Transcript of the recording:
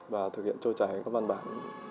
và thực hiện trôi trải các văn bản